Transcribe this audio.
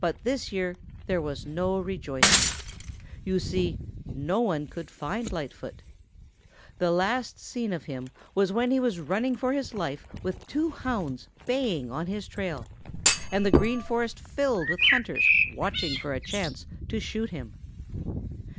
But this year there was no rejoicing. You see, no one could find Lightfoot. The last seen of him was when he was running for his life with two hounds baying on his trail and the Green Forest filled with hunters watching for a chance to shoot him.